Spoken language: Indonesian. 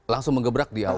langsung mengebrak di awal